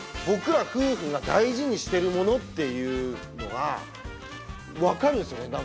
僕ら夫婦が大事にしてるものっていうのが分かるんすよね